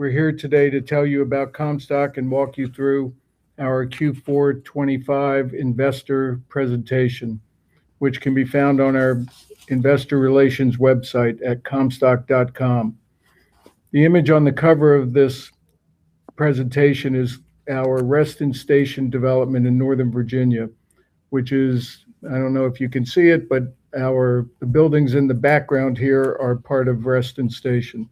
We're here today to tell you about Comstock and walk you through our Q4 2025 investor presentation, which can be found on our investor relations website at comstock.com. The image on the cover of this presentation is our Reston Station development in Northern Virginia. I don't know if you can see it, but our buildings in the background here are part of Reston Station.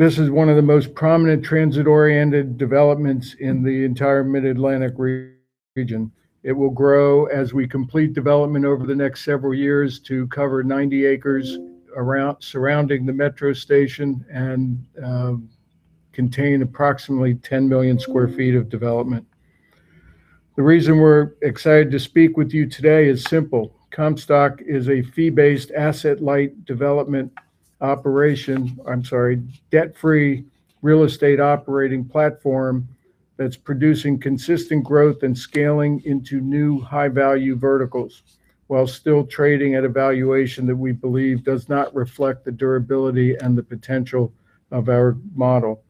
This is one of the most prominent transit-oriented developments in the entire Mid-Atlantic region. It will grow as we complete development over the next several years to cover 90 acres surrounding the Metro station and contain approximately 10 million sq ft of development. The reason we're excited to speak with you today is simple. Comstock is a debt-free real estate operating platform that's producing consistent growth and scaling into new high-value verticals while still trading at a valuation that we believe does not reflect the durability and the potential of our model.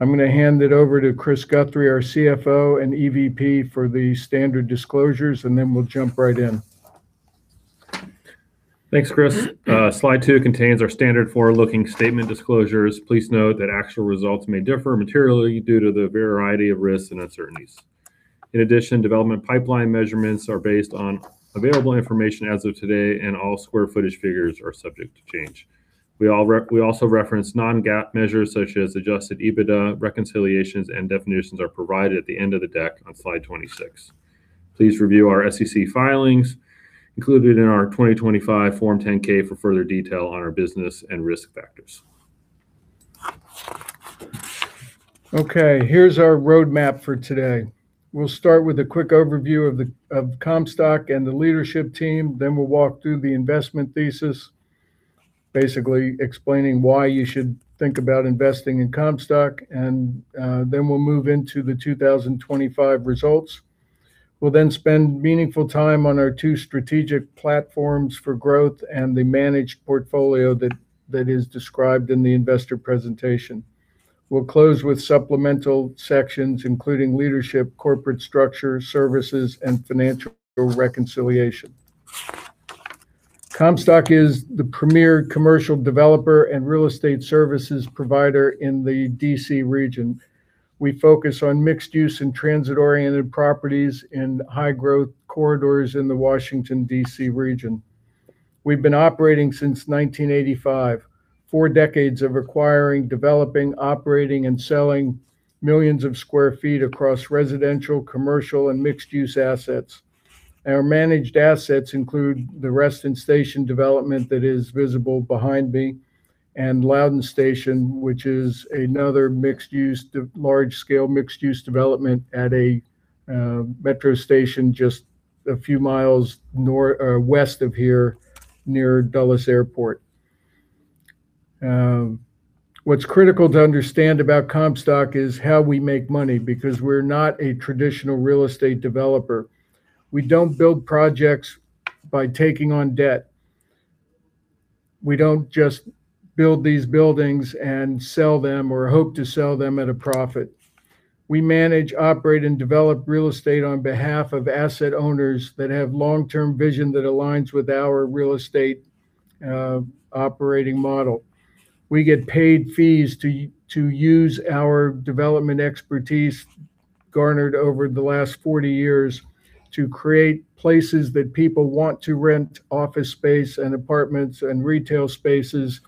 I'm going to hand it over to Chris Guthrie, our CFO and EVP, for the standard disclosures, and then we'll jump right in. Thanks, Chris. Slide two contains our standard forward-looking statement disclosures. Please note that actual results may differ materially due to the variety of risks and uncertainties. In addition, development pipeline measurements are based on available information as of today, and all square footage figures are subject to change. We also reference non-GAAP measures such as adjusted EBITDA. Reconciliations and definitions are provided at the end of the deck on slide 26. Please review our SEC filings included in our 2025 Form 10-K for further detail on our business and risk factors. Okay, here's our roadmap for today. We'll start with a quick overview of Comstock and the leadership team. We'll walk through the investment thesis, basically explaining why you should think about investing in Comstock, and then we'll move into the 2025 results. We'll then spend meaningful time on our two strategic platforms for growth and the managed portfolio that is described in the investor presentation. We'll close with supplemental sections including leadership, corporate structure, services, and financial reconciliation. Comstock is the premier commercial developer and real estate services provider in the D.C. region. We focus on mixed-use and transit-oriented properties in high-growth corridors in the Washington, D.C. region. We've been operating since 1985. Four decades of acquiring, developing, operating, and selling millions of square feet across residential, commercial, and mixed-use assets. Our managed assets include the Reston Station development that is visible behind me and Loudoun Station, which is another mixed use large-scale mixed-use development at a Metro station just a few miles west of here near Dulles Airport. What's critical to understand about Comstock is how we make money because we're not a traditional real estate developer. We don't build projects by taking on debt. We don't just build these buildings and sell them or hope to sell them at a profit. We manage, operate, and develop real estate on behalf of asset owners that have long-term vision that aligns with our real estate operating model. We get paid fees to use our development expertise garnered over the last 40 years to create places that people want to rent office space and apartments and retail spaces,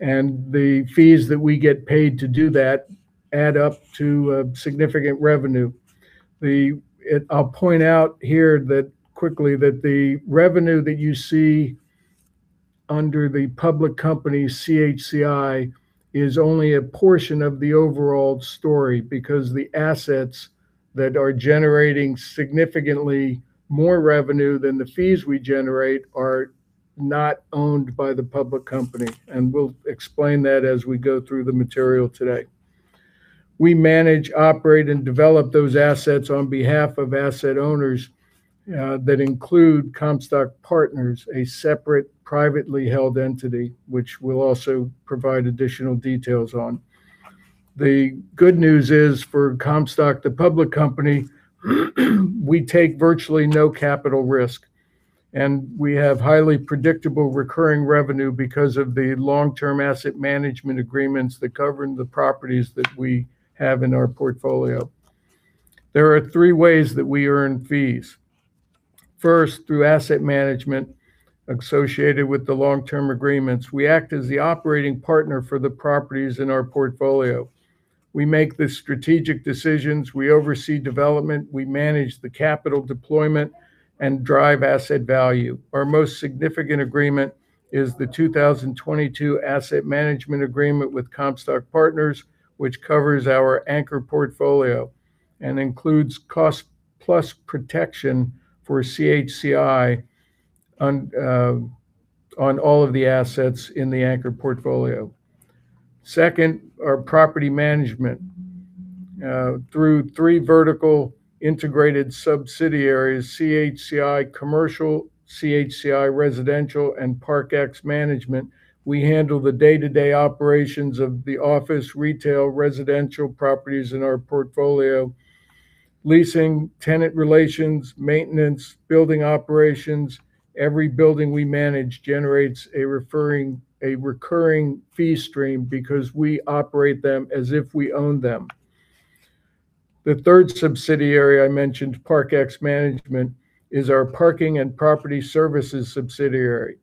and the fees that we get paid to do that add up to significant revenue. I'll point out here that, quickly, that the revenue that you see under the public company CHCI is only a portion of the overall story because the assets that are generating significantly more revenue than the fees we generate are not owned by the public company, and we'll explain that as we go through the material today. We manage, operate, and develop those assets on behalf of asset owners that include Comstock Partners, a separate privately held entity which we'll also provide additional details on. The good news is for Comstock, the public company, we take virtually no capital risk, and we have highly predictable recurring revenue because of the long-term asset management agreements that govern the properties that we have in our portfolio. There are three ways that we earn fees. First, through asset management associated with the long-term agreements. We act as the operating partner for the properties in our portfolio. We make the strategic decisions. We oversee development. We manage the capital deployment and drive asset value. Our most significant agreement is the 2022 asset management agreement with Comstock Partners, which covers our anchor portfolio and includes cost-plus protection for CHCI on all of the assets in the anchor portfolio. Second are property management. Through three vertically integrated subsidiaries, CHCI Commercial, CHCI Residential, and ParkX Management, we handle the day-to-day operations of the office, retail, residential properties in our portfolio, leasing, tenant relations, maintenance, building operations. Every building we manage generates a recurring fee stream because we operate them as if we own them. The third subsidiary I mentioned, ParkX Management, is our parking and property services subsidiary.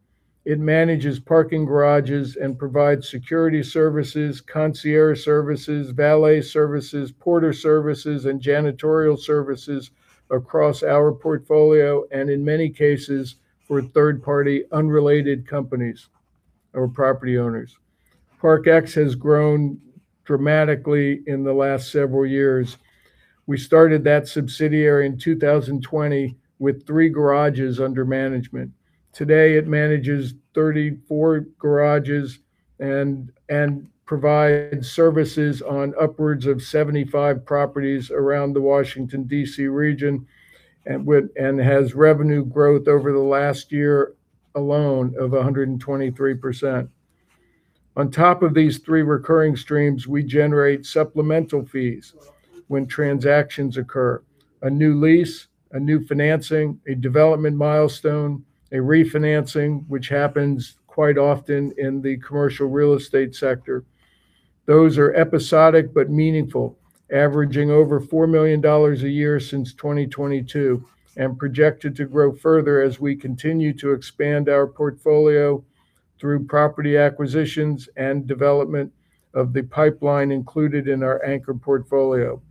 It manages parking garages and provides security services, concierge services, valet services, porter services, and janitorial services across our portfolio, and in many cases, for third-party unrelated companies or property owners. ParkX has grown dramatically in the last several years. We started that subsidiary in 2020 with three garages under management. Today, it manages 34 garages and provides services on upwards of 75 properties around the Washington, D.C. region, and has revenue growth over the last year alone of 123%. On top of these three recurring streams, we generate supplemental fees when transactions occur, a new lease, a new financing, a development milestone, a refinancing, which happens quite often in the commercial real estate sector. Those are episodic but meaningful, averaging over $4 million a year since 2022, and projected to grow further as we continue to expand our portfolio through property acquisitions and development of the pipeline included in our anchor portfolio.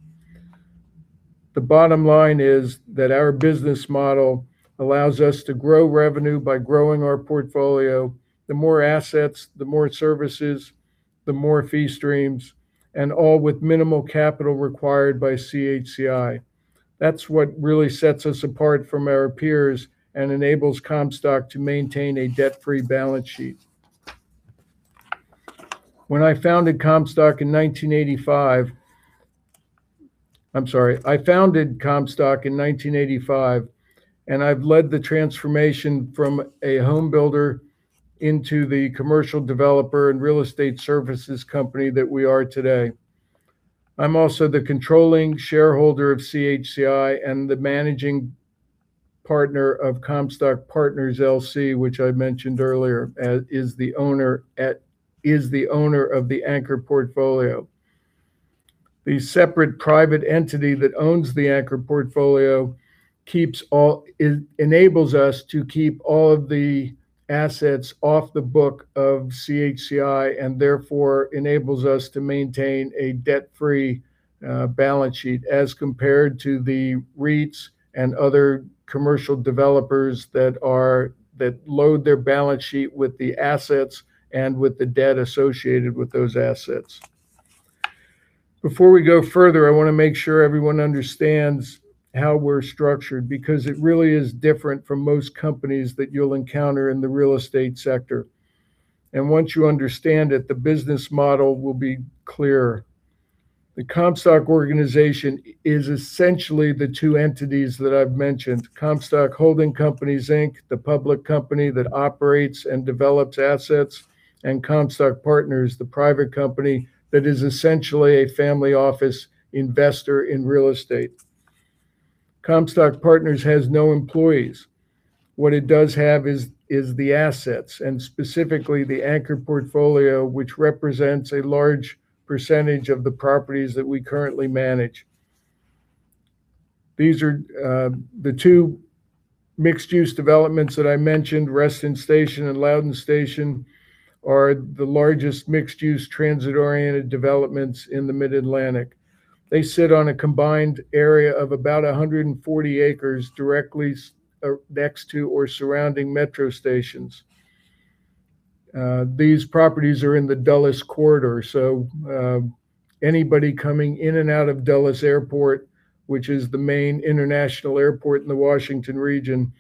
The bottom line is that our business model allows us to grow revenue by growing our portfolio. The more assets, the more services, the more fee streams, and all with minimal capital required by CHCI. That's what really sets us apart from our peers and enables Comstock to maintain a debt-free balance sheet. I founded Comstock in 1985, and I've led the transformation from a home builder into the commercial developer and real estate services company that we are today. I'm also the controlling shareholder of CHCI and the managing partner of Comstock Partners, LC, which I mentioned earlier, is the owner of the anchor portfolio. The separate private entity that owns the anchor portfolio enables us to keep all of the assets off the books of CHCI and therefore enables us to maintain a debt-free balance sheet as compared to the REITs and other commercial developers that load their balance sheet with the assets and with the debt associated with those assets. Before we go further, I want to make sure everyone understands how we're structured because it really is different from most companies that you'll encounter in the real estate sector. Once you understand it, the business model will be clearer. The Comstock organization is essentially the two entities that I've mentioned. Comstock Holding Companies, Inc, the public company that operates and develops assets, and Comstock Partners, the private company that is essentially a family office investor in real estate. Comstock Partners has no employees. What it does have is the assets, and specifically the anchor portfolio, which represents a large percentage of the properties that we currently manage. These are the two mixed-use developments that I mentioned, Reston Station and Loudoun Station, are the largest mixed-use transit-oriented developments in the Mid-Atlantic. They sit on a combined area of about 140 acres directly next to or surrounding metro stations. These properties are in the Dulles Corridor, so anybody coming in and out of Dulles Airport, which is the main international airport in the Washington region,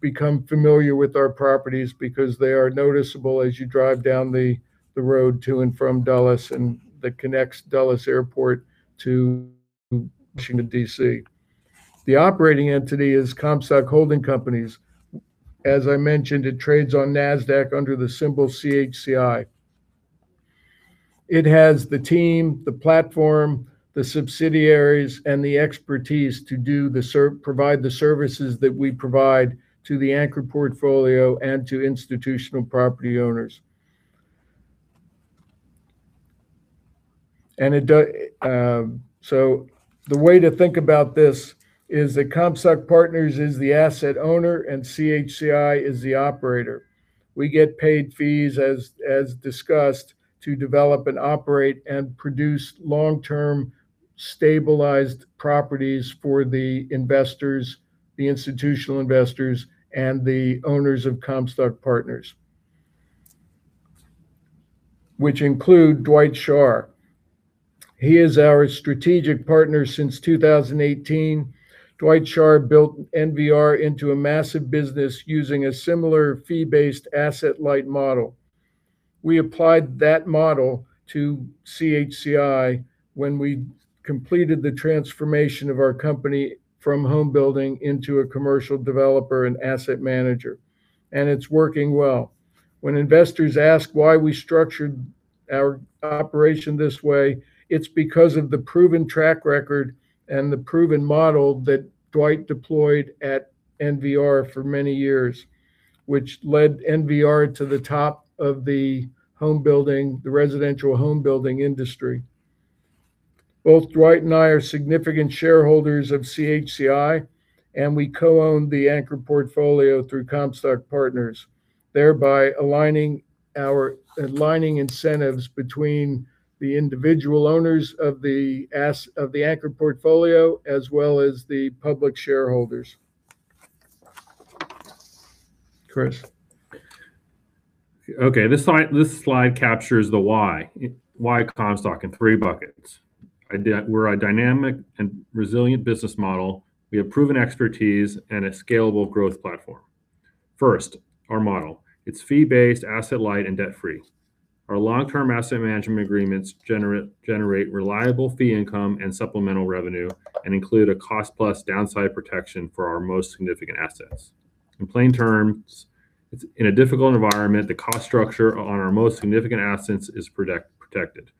become familiar with our properties because they are noticeable as you drive down the road to and from Dulles and that connects Dulles Airport to Washington, D.C. The operating entity is Comstock Holding Companies. As I mentioned, it trades on Nasdaq under the symbol CHCI. It has the team, the platform, the subsidiaries, and the expertise to provide the services that we provide to the anchor portfolio and to institutional property owners. The way to think about this is that Comstock Partners is the asset owner and CHCI is the operator. We get paid fees as discussed to develop and operate and produce long-term stabilized properties for the investors, the institutional investors, and the owners of Comstock Partners, which include Dwight Schar. He is our strategic partner since 2018. Dwight Schar built NVR into a massive business using a similar fee-based asset-light model. We applied that model to CHCI when we completed the transformation of our company from home building into a commercial developer and asset manager, and it's working well. When investors ask why we structured our operation this way, it's because of the proven track record and the proven model that Dwight deployed at NVR for many years, which led NVR to the top of the home building, the residential home building industry. Both Dwight and I are significant shareholders of CHCI, and we co-own the anchor portfolio through Comstock Partners, thereby aligning incentives between the individual owners of the anchor portfolio as well as the public shareholders. Chris. Okay, this slide, this slide captures the why. Why Comstock in three buckets. We're a dynamic and resilient business model. We have proven expertise and a scalable growth platform. First, our model. It's fee-based, asset light, and debt-free. Our long-term asset management agreements generate reliable fee income and supplemental revenue and include a cost-plus downside protection for our most significant assets. In plain terms, it's in a difficult environment, the cost structure on our most significant assets is protected.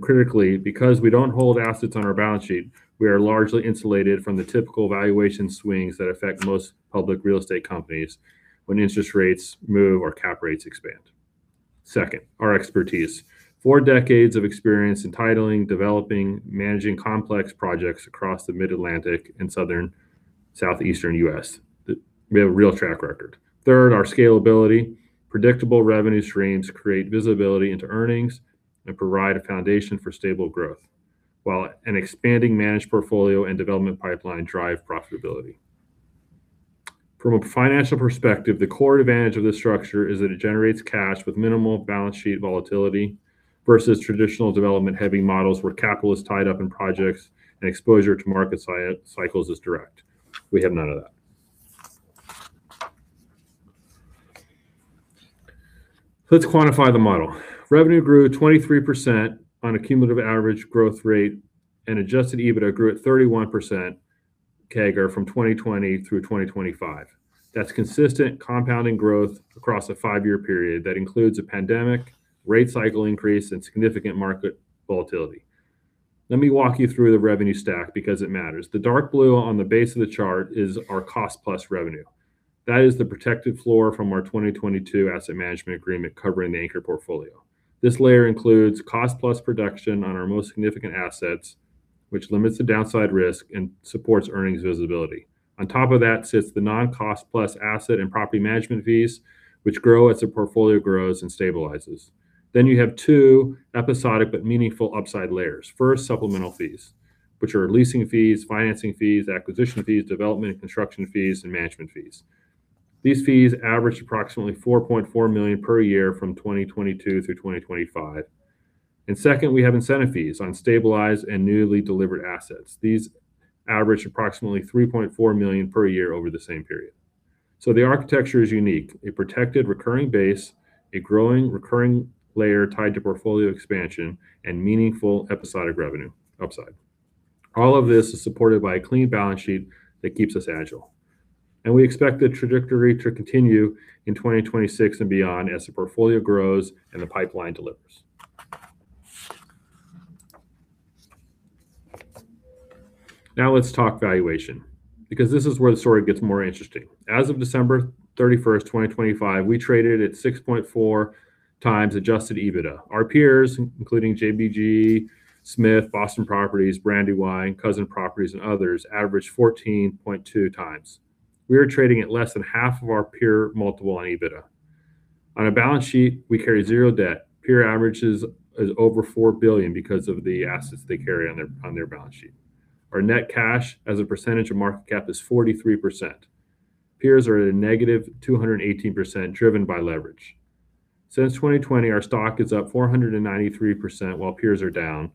Critically, because we don't hold assets on our balance sheet, we are largely insulated from the typical valuation swings that affect most public real estate companies when interest rates move or cap rates expand. Second, our expertise. Four decades of experience in titling, developing, managing complex projects across the Mid-Atlantic and Southeastern U.S. We have a real track record. Third, our scalability. Predictable revenue streams create visibility into earnings and provide a foundation for stable growth, while an expanding managed portfolio and development pipeline drive profitability. From a financial perspective, the core advantage of this structure is that it generates cash with minimal balance sheet volatility versus traditional development-heavy models where capital is tied up in projects and exposure to market cycles is direct. We have none of that. Let's quantify the model. Revenue grew 23% on a cumulative average growth rate, and adjusted EBITDA grew at 31% CAGR from 2020 through 2025. That's consistent compounding growth across a five-year period that includes a pandemic, rate cycle increase, and significant market volatility. Let me walk you through the revenue stack because it matters. The dark blue on the base of the chart is our cost-plus revenue. That is the protected floor from our 2022 asset management agreement covering the anchor portfolio. This layer includes cost-plus production on our most significant assets, which limits the downside risk and supports earnings visibility. On top of that sits the non-cost plus asset and property management fees, which grow as the portfolio grows and stabilizes. Then you have two episodic but meaningful upside layers. First, supplemental fees, which are leasing fees, financing fees, acquisition fees, development and construction fees, and management fees. These fees averaged approximately $4.4 million per year from 2022 through 2025. Second, we have incentive fees on stabilized and newly delivered assets. These average approximately $3.4 million per year over the same period. The architecture is unique. A protected recurring base, a growing recurring layer tied to portfolio expansion, and meaningful episodic revenue upside. All of this is supported by a clean balance sheet that keeps us agile. We expect the trajectory to continue in 2026 and beyond as the portfolio grows and the pipeline delivers. Now let's talk valuation, because this is where the story gets more interesting. As of December 31st, 2025, we traded at 6.4x adjusted EBITDA. Our peers, including JBG SMITH, Boston Properties, Brandywine, Cousins Properties, and others, averaged 14.2x. We are trading at less than half of our peer multiple on EBITDA. On a balance sheet, we carry zero debt. Peer average is over $4 billion because of the assets they carry on their balance sheet. Our net cash as a percentage of market cap is 43%. Peers are at a -218%, driven by leverage. Since 2020, our stock is up 493% while peers are down.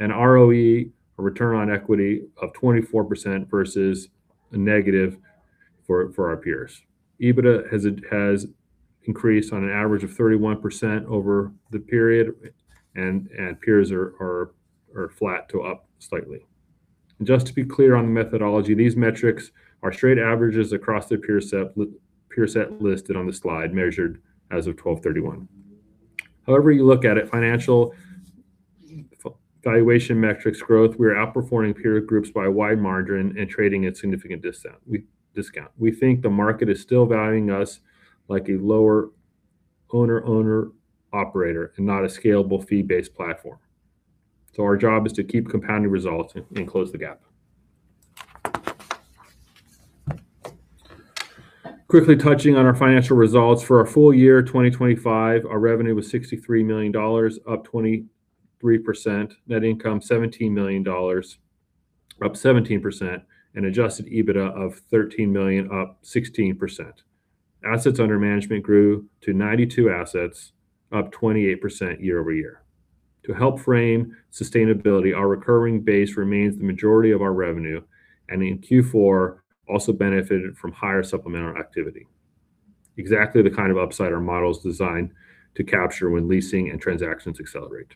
ROE, or return on equity, of 24% versus a negative for our peers. EBITDA has increased on an average of 31% over the period and peers are flat to up slightly. Just to be clear on the methodology, these metrics are straight averages across the peer set listed on the slide, measured as of December 31. However you look at it, financial valuation metrics growth, we are outperforming peer groups by a wide margin and trading at significant discount. We think the market is still valuing us like a lower owner operator and not a scalable fee-based platform. Our job is to keep compounding results and close the gap. Quickly touching on our financial results. For our full year 2025, our revenue was $63 million, up 23%. Net income, $17 million, up 17%. Adjusted EBITDA of $13 million, up 16%. Assets under management grew to 92 assets, up 28% year-over-year. To help frame sustainability, our recurring base remains the majority of our revenue, and in Q4 also benefited from higher supplemental activity. Exactly the kind of upside our model is designed to capture when leasing and transactions accelerate.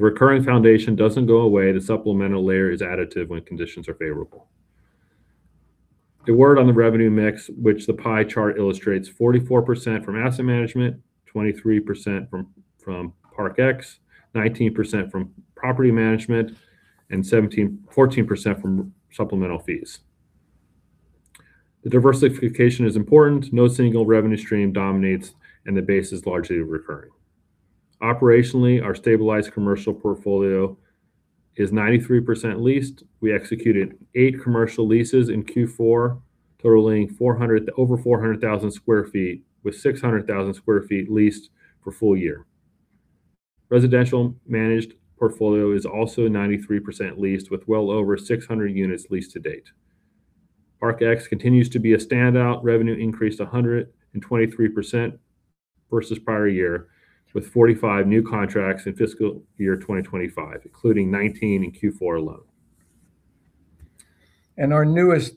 The recurring foundation doesn't go away. The supplemental layer is additive when conditions are favorable. The word on the revenue mix, which the pie chart illustrates, 44% from asset management, 23% from ParkX, 19% from property management, and 14% from supplemental fees. The diversification is important. No single revenue stream dominates, and the base is largely recurring. Operationally, our stabilized commercial portfolio is 93% leased. We executed eight commercial leases in Q4, totaling over 400,000 sq ft, with 600,000 sq ft leased for full year. Residential managed portfolio is also 93% leased, with well over 600 units leased to date. ParkX continues to be a standout. Revenue increased 123% versus prior year, with 45 new contracts in fiscal year 2025, including 19 in Q4 alone. Our newest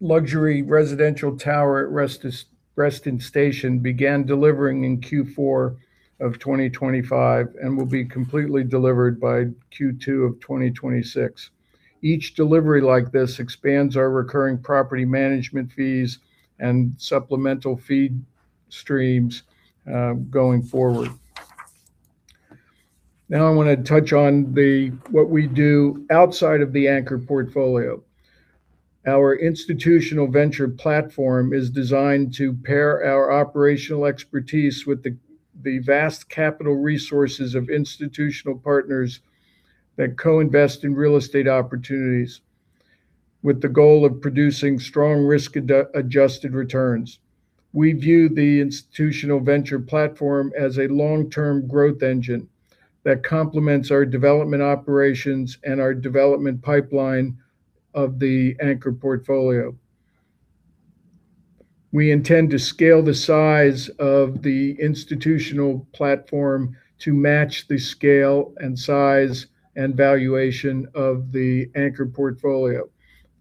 luxury residential tower at Reston Station began delivering in Q4 of 2025 and will be completely delivered by Q2 of 2026. Each delivery like this expands our recurring property management fees and supplemental fee streams going forward. Now I want to touch on what we do outside of the anchor portfolio. Our institutional venture platform is designed to pair our operational expertise with the vast capital resources of institutional partners that co-invest in real estate opportunities with the goal of producing strong risk-adjusted returns. We view the institutional venture platform as a long-term growth engine that complements our development operations and our development pipeline of the anchor portfolio. We intend to scale the size of the institutional platform to match the scale and size and valuation of the anchor portfolio.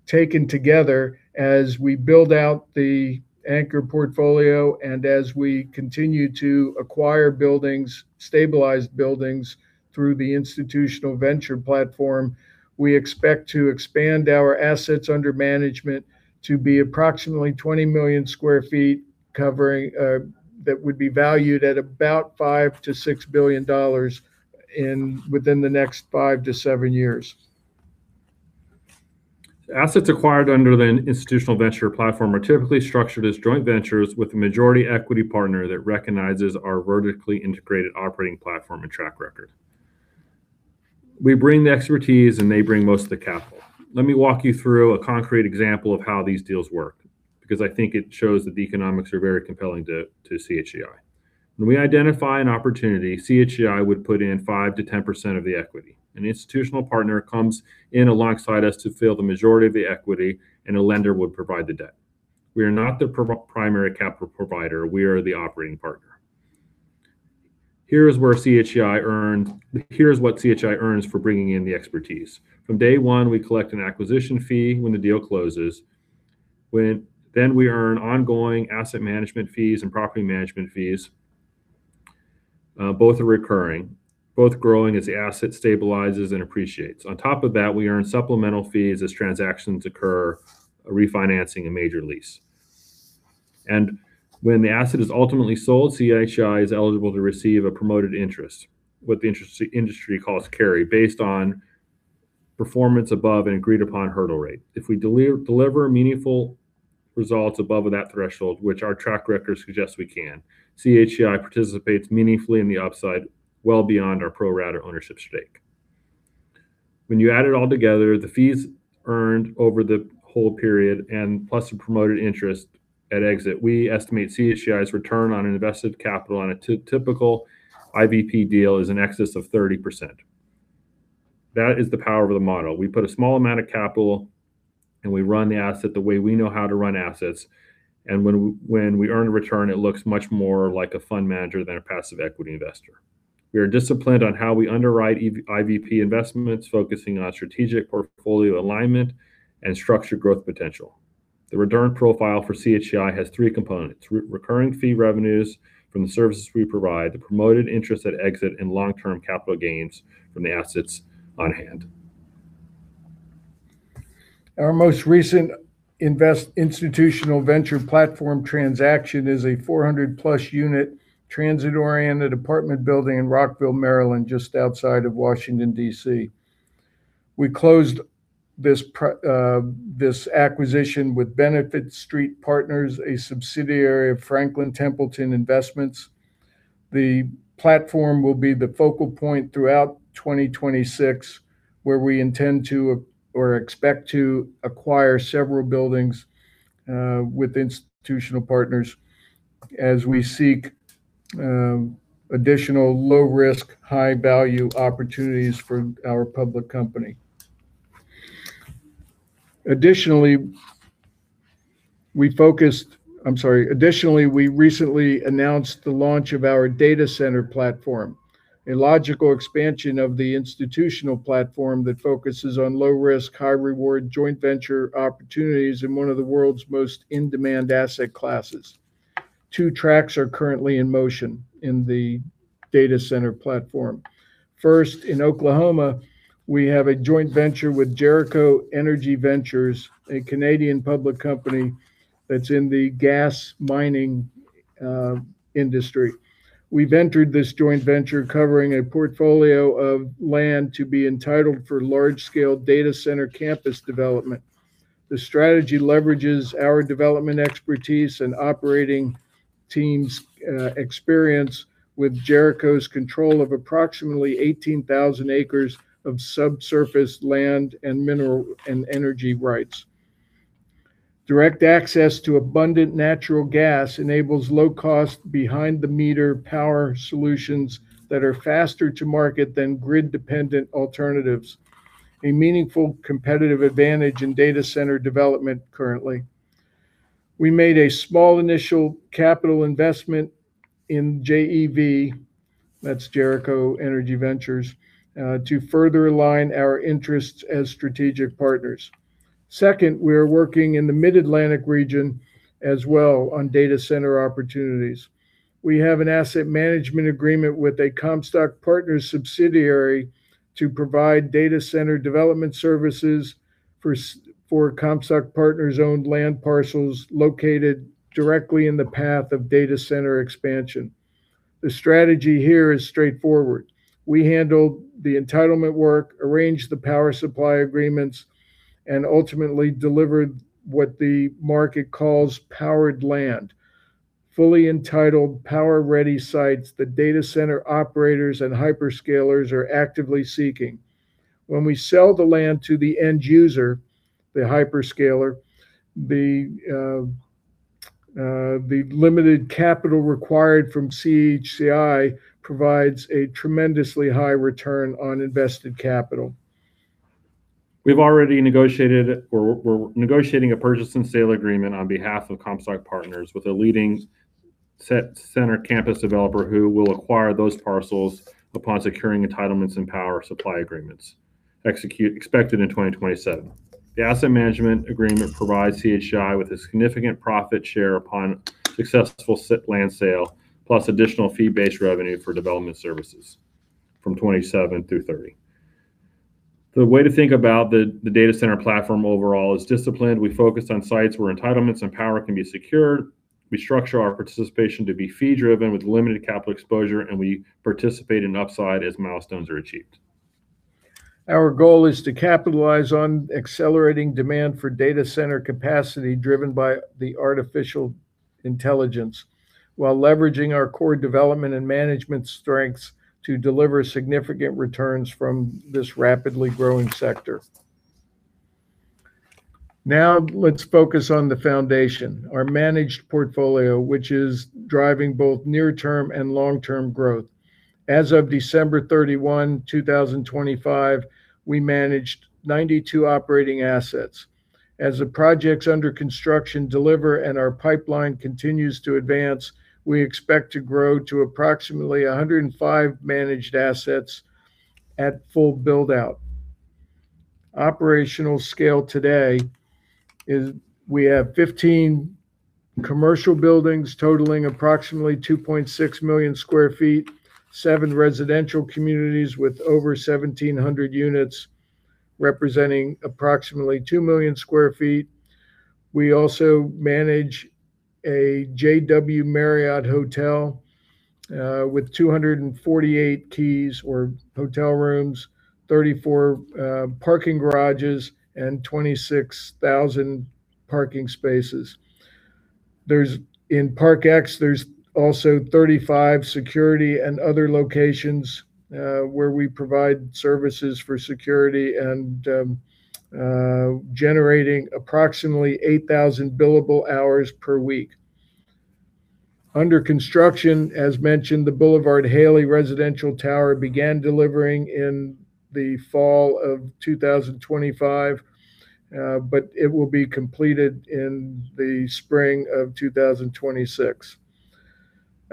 Taken together, as we build out the anchor portfolio, and as we continue to acquire buildings, stabilize buildings through the institutional venture platform, we expect to expand our assets under management to be approximately 20 million sq ft covering that would be valued at about $5 billion-$6 billion within the next five to seven years. Assets acquired under the institutional venture platform are typically structured as joint ventures with a majority equity partner that recognizes our vertically integrated operating platform and track record. We bring the expertise, and they bring most of the capital. Let me walk you through a concrete example of how these deals work, because I think it shows that the economics are very compelling to CHCI. When we identify an opportunity, CHCI would put in 5%-10% of the equity. An institutional partner comes in alongside us to fill the majority of the equity, and a lender would provide the debt. We are not the primary capital provider. We are the operating partner. Here's what CHCI earns for bringing in the expertise. From day one, we collect an acquisition fee when the deal closes. We earn ongoing asset management fees and property management fees. Both are recurring, both growing as the asset stabilizes and appreciates. On top of that, we earn supplemental fees as transactions occur, refinancing a major lease. When the asset is ultimately sold, CHCI is eligible to receive a promoted interest, what the industry calls carry, based on performance above an agreed-upon hurdle rate. If we deliver meaningful results above that threshold, which our track record suggests we can, CHCI participates meaningfully in the upside well beyond our pro rata ownership stake. When you add it all together, the fees earned over the whole period and plus the promoted interest at exit, we estimate CHCI's return on invested capital on a typical IVP deal is in excess of 30%. That is the power of the model. We put a small amount of capital, and we run the asset the way we know how to run assets. When we earn a return, it looks much more like a fund manager than a passive equity investor. We are disciplined on how we underwrite IVP investments, focusing on strategic portfolio alignment and structured growth potential. The return profile for CHCI has three components, recurring fee revenues from the services we provide, the promoted interest at exit, and long-term capital gains from the assets on hand. Our most recent institutional venture platform transaction is a 400+ unit transit-oriented apartment building in Rockville, Maryland, just outside of Washington, D.C. We closed this acquisition with Benefit Street Partners, a subsidiary of Franklin Templeton. The platform will be the focal point throughout 2026, where we intend to, or expect to acquire several buildings with institutional partners as we seek additional low risk, high value opportunities for our public company. Additionally, we recently announced the launch of our data center platform, a logical expansion of the institutional platform that focuses on low risk, high reward joint venture opportunities in one of the world's most in-demand asset classes. Two tracks are currently in motion in the data center platform. First, in Oklahoma, we have a joint venture with Jericho Energy Ventures, a Canadian public company that's in the gas mining, industry. We've entered this joint venture covering a portfolio of land to be entitled for large-scale data center campus development. The strategy leverages our development expertise and operating team's experience with Jericho's control of approximately 18,000 acres of subsurface land and mineral and energy rights. Direct access to abundant natural gas enables low cost behind-the-meter power solutions that are faster to market than grid-dependent alternatives, a meaningful competitive advantage in data center development currently. We made a small initial capital investment in JEV, that's Jericho Energy Ventures, to further align our interests as strategic partners. Second, we are working in the Mid-Atlantic region as well on data center opportunities. We have an asset management agreement with a Comstock Partners subsidiary to provide data center development services for Comstock Partners-owned land parcels located directly in the path of data center expansion. The strategy here is straightforward. We handle the entitlement work, arrange the power supply agreements, and ultimately deliver what the market calls powered land, fully entitled power-ready sites the data center operators and hyperscalers are actively seeking. When we sell the land to the end user, the hyperscaler, the limited capital required from CHCI provides a tremendously high return on invested capital. We've already negotiated or we're negotiating a purchase and sale agreement on behalf of Comstock Partners with a leading data center campus developer who will acquire those parcels upon securing entitlements and power supply agreements. Expected in 2027. The asset management agreement provides CHCI with a significant profit share upon successful land sale, plus additional fee-based revenue for development services from 2027 through 2030. The way to think about the data center platform overall is disciplined. We focus on sites where entitlements and power can be secured. We structure our participation to be fee driven with limited capital exposure, and we participate in upside as milestones are achieved. Our goal is to capitalize on accelerating demand for data center capacity driven by the artificial intelligence, while leveraging our core development and management strengths to deliver significant returns from this rapidly growing sector. Now let's focus on the foundation, our managed portfolio, which is driving both near-term and long-term growth. As of December 31, 2025, we managed 92 operating assets. As the projects under construction deliver and our pipeline continues to advance, we expect to grow to approximately 105 managed assets at full build-out. Operational scale today is we have 15 commercial buildings totaling approximately 2.6 million sq ft, seven residential communities with over 1,700 units representing approximately 2 million sq ft. We also manage a JW Marriott hotel with 248 keys or hotel rooms, 34 parking garages, and 26,000 parking spaces. In ParkX, there's also 35 security and other locations, where we provide services for security and generating approximately 8,000 billable hours per week. Under construction, as mentioned, the BLVD Haley residential tower began delivering in the fall of 2025, but it will be completed in the spring of 2026.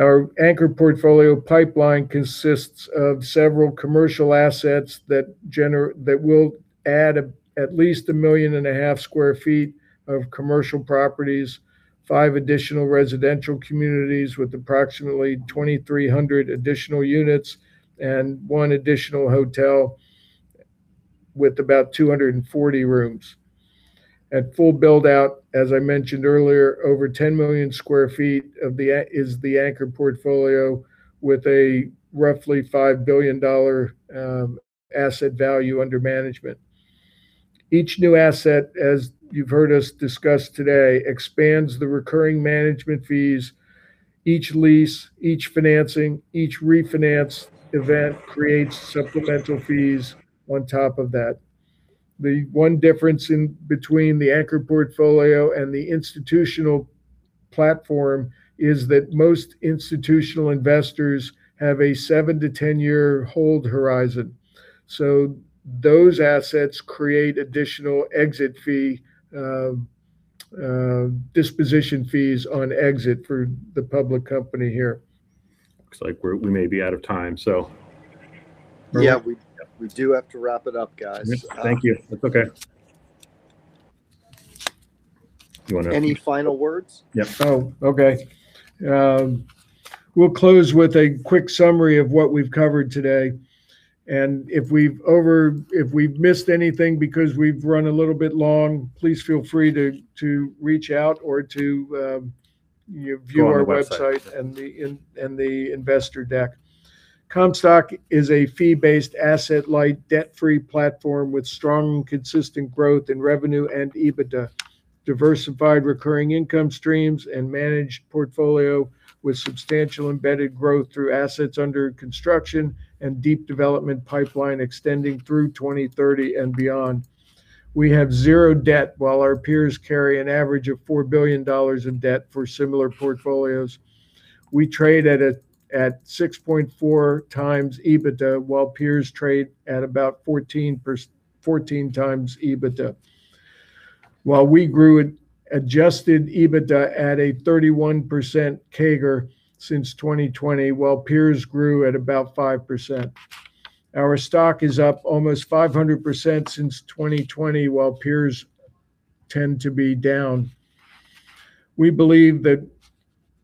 Our anchor portfolio pipeline consists of several commercial assets that will add at least 1.5 million sq ft of commercial properties, five additional residential communities with approximately 2,300 additional units, and one additional hotel with about 240 rooms. At full build-out, as I mentioned earlier, over 10 million sq ft is the anchor portfolio with a roughly $5 billion asset value under management. Each new asset, as you've heard us discuss today, expands the recurring management fees. Each lease, each financing, each refinance event creates supplemental fees on top of that. The one difference between the anchor portfolio and the institutional platform is that most institutional investors have a seven- to 10-year hold horizon. Those assets create additional exit fee, disposition fees on exit for the public company here. Looks like we may be out of time. Yeah. We do have to wrap it up, guys. Yes. Thank you. That's okay. Any final words? Yeah. Oh, okay. We'll close with a quick summary of what we've covered today, and if we've missed anything because we've run a little bit long, please feel free to reach out or to view- Go on the website. our website and the investor deck. Comstock is a fee-based, asset-light, debt-free platform with strong, consistent growth in revenue and EBITDA. Diversified recurring income streams and managed portfolio with substantial embedded growth through assets under construction and deep development pipeline extending through 2030 and beyond. We have zero debt while our peers carry an average of $4 billion in debt for similar portfolios. We trade at 6.4x EBITDA while peers trade at about 14x EBITDA. While we grew adjusted EBITDA at a 31% CAGR since 2020 while peers grew at about 5%. Our stock is up almost 500% since 2020 while peers tend to be down. We believe that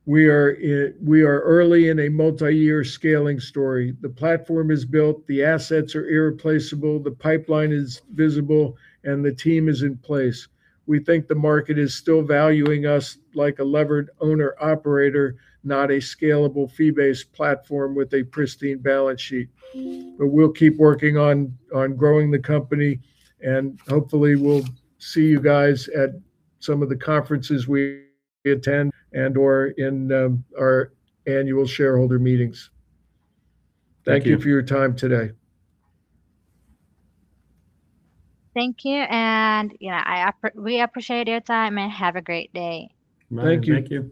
we are early in a multiyear scaling story. The platform is built, the assets are irreplaceable, the pipeline is visible, and the team is in place. We think the market is still valuing us like a levered owner/operator, not a scalable fee-based platform with a pristine balance sheet. We'll keep working on growing the company and hopefully we'll see you guys at some of the conferences we attend and/or in our annual shareholder meetings. Thank you. Thank you for your time today. Thank you and, you know, we appreciate your time and have a great day. Thank you. Bye. Thank you.